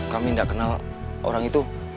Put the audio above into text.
kami tidak kenal orang itu